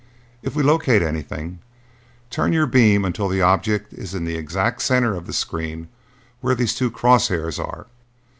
If we locate anything, turn your beam until the object is in the exact center of the screen where these two cross hairs are.